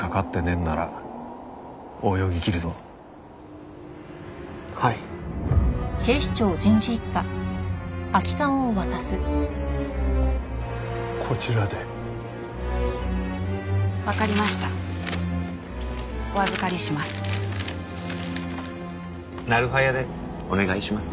なる早でお願いしますね。